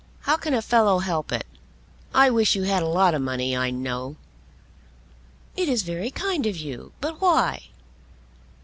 How can a fellow help it? I wish you had a lot of money, I know." "It is very kind of you; but why?"